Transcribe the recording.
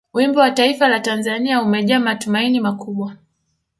wimbo wa taifa la tanzania umejaa matumaini makubwa